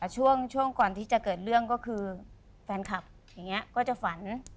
ช่วงก่อนที่จะเกิดเรื่องก็คือแฟนคลับอย่างนี้ก็จะฝัน